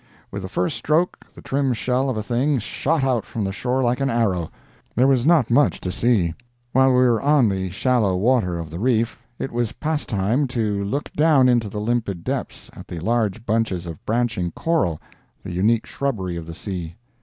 With the first stroke the trim shell of a thing shot out from the shore like an arrow. There was not much to see. While we were on the shallow water of the reef, it was pastime to look down into the limpid depths at the large bunches of branching coral—the unique shrubbery of the sea.